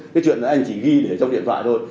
cái chuyện là anh chỉ ghi để trong điện thoại thôi